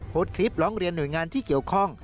โพสต์คลิปร้องเรียนหน่วยงานที่เกี่ยวข้อง